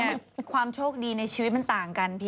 คนเราเนี่ยความโชคดีในชีวิตมันต่างกันพี่